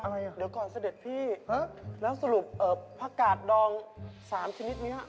เพราะนี่ก็คือผักกาดดองเค็ม